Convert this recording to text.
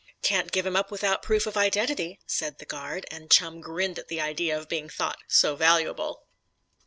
"Can't give him up without proof of identity," said the guard, and Chum grinned at the idea of being thought so valuable.